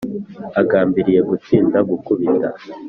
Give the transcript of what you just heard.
Agambiriye gutsinda gukubita